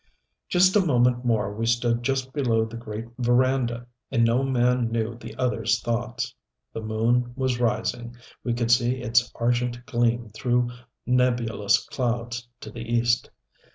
Just a moment more we stood just below the great veranda, and no man knew the other's thoughts. The moon was rising we could see its argent gleam through nebulous clouds to the East.